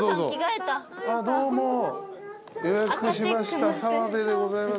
予約しました澤部でございます。